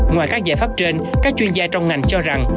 ngoài các giải pháp trên các chuyên gia trong ngành cho rằng